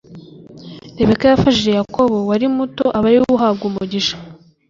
Rebeka yafashije Yakobo wari muto aba ari we uhabwa umugisha